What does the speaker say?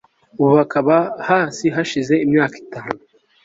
ubu hakaba has hashize imyaka itanu